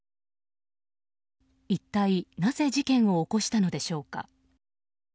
いったいなぜ事件を起こしたのでしょうか。